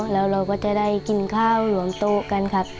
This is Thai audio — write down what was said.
แล้วเราจะได้กินข้าวหน่อยกันครับ